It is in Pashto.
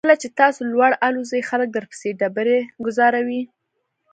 کله چې تاسو لوړ الوځئ خلک درپسې ډبرې ګوزاروي.